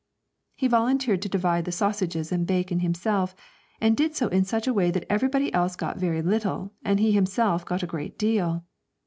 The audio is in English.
He volunteered to divide the sausages and bacon himself, and did so in such a way that everybody else got very little and he himself got a great deal.